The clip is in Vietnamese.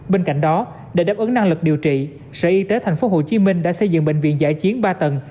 bên cạnh đó để đáp ứng năng lực điều trị sở y tế tp hcm đã xây dựng bệnh viện giải chiến ba tầng